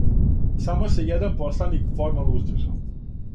Само се један посланик формално уздржао.